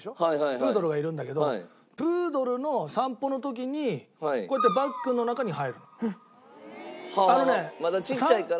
プードルがいるんだけどプードルの散歩の時にこうやってバッグの中に入るの。はあまだちっちゃいから。